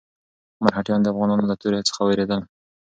مرهټیان د افغانانو له تورې څخه وېرېدل.